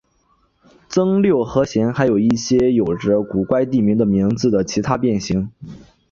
增六和弦还有一些有着古怪地名的名字的其他变形。